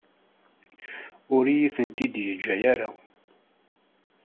Ur iyi-tent-id-yeǧǧa ara.